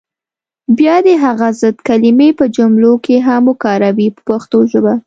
بیا دې هغه ضد کلمې په جملو کې هم وکاروي په پښتو ژبه.